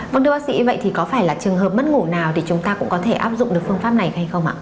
vâng thưa bác sĩ vậy thì có phải là trường hợp mất ngủ nào thì chúng ta cũng có thể áp dụng được phương pháp này hay không ạ